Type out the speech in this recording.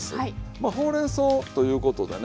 まあほうれんそうということでね